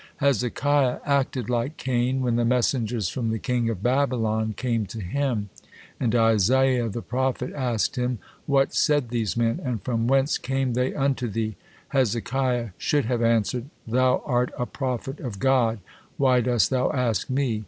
Hezekiah acted like Cain when the messengers from the king of Babylon came to him, and Isaiah the prophet asked him, "What said these men? And from whence came they unto thee?" Hezekiah should have answered, "Thou art a prophet of God, why dost thou ask me?"